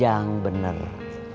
biar dia taunya seneng aja